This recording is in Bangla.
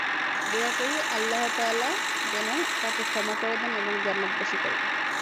দোয়া করি, আল্লাহ তাআলা যেন তাঁকে ক্ষমা করে দেন এবং জান্নাতবাসী করেন।